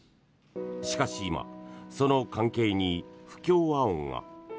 しかし今その関係に不協和音が。